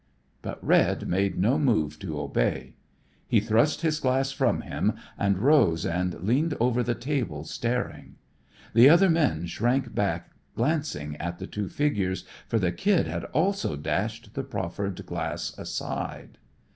But Red made no move to obey. He thrust his glass from him and rose and leaned over the table staring. The other men shrank back glancing at the two figures, for the Kid had also dashed the proffered glass aside.